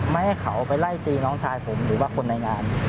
ไม่ให้เขาไปไล่ตีน้องชายผมหรือว่าคนในงาน